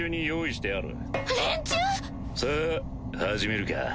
さあ始めるか。